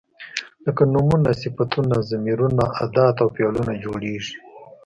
لکه نومونه، صفتونه، ضمیرونه، ادات او فعلونه جوړیږي.